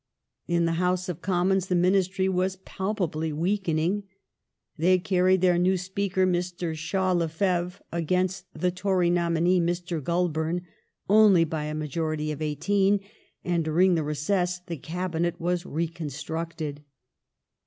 In the House of Commons the Ministry was palpably weakening. They earned their new Speaker, Mr. Shaw Lefevre, against the Tory nominee, Mr. Groulbura, only by a majority of eighteen, and during the recess the Cabinet was reconstructed.